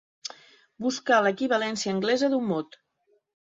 Buscar l'equivalència anglesa d'un mot.